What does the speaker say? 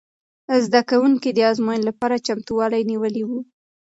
زده کوونکو د ازموینې لپاره چمتووالی نیولی و.